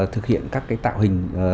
thực hiện các cái tạo hình